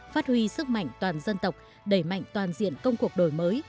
phát huy sức mạnh toàn dân tộc đẩy mạnh toàn diện công cuộc đổi mới